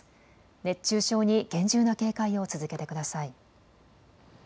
熱中症に厳重な警戒を続けてください。